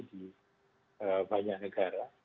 di banyak negara